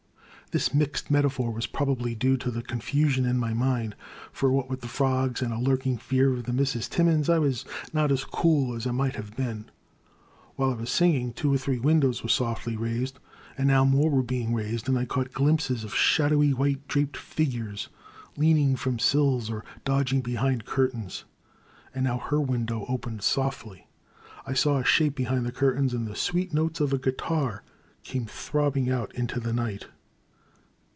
This mixed metaphor was probably due to the confusion in my mind, for what with the frogs and a lurking fear of the Misses Timmins, I was not as cool as I might have been. While I was singing, two or three windows were softly raised, and now more were being raised, and I caught glimpses of shadowy white draped figures leaning from sills or dodging be hind curtains. And now her window opened softly; I saw a shape between the curtains and the sweet notes of a guitar came throbbing out into the night.